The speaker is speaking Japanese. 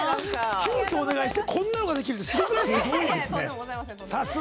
急きょお願いしてこんなのができるってすごくないですか？